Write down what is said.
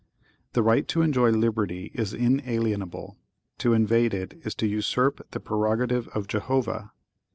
(¶ 14) The right to enjoy liberty is inalienable. To invade it, is to usurp the prerogative of Jehovah.